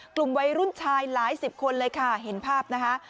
กลุ่มวัยรุ่นชายหลายสิบคนเลยค่ะเห็นภาพนะคะ